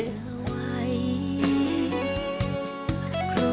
ก็ต้องทำให้เธอไว้